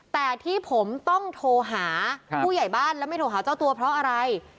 แต่ที่ผมต้องโทรหาผู้ใหญ่บ้านและไม่โทรหาเจ้าตัวเพราะอะไร